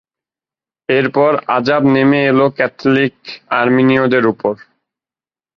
এরপর আজাব নেমে এল ক্যাথলিক আর্মেনীয়দের ওপর।